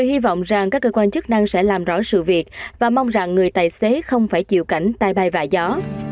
hy vọng rằng các cơ quan chức năng sẽ làm rõ sự việc và mong rằng người tài xế không phải chịu cảnh tai bay vạ gió